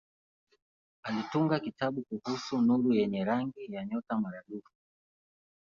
Alitunga kitabu kuhusu nuru yenye rangi ya nyota maradufu.